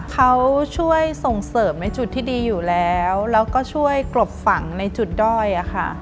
เขาช่วยส่งเสริมในจุดที่ดีอยู่แล้วแล้วก็ช่วยกลบฝังในจุดด้อยอะค่ะ